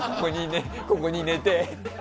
ここに寝て。